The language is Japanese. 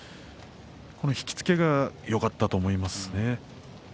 この引き付けがよかったと思いますね。